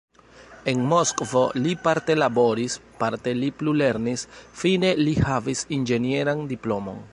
En Moskvo li parte laboris, parte li plulernis, fine li havis inĝenieran diplomon.